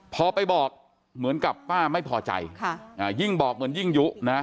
พอไปบอกเหมือนกับป้าไม่พอใจยิ่งบอกเหมือนยิ่งยุนะ